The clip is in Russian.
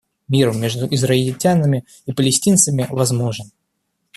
Мир между израильтянами и палестинцами возможен.